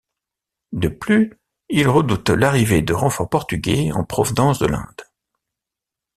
De plus, ils redoutent l'arrivée de renforts portugais en provenance de l'Inde.